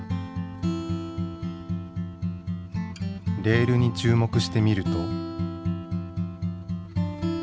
レールに注目してみると。